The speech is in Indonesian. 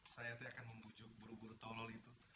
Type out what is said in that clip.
saya itu akan membujuk buru buru tolol itu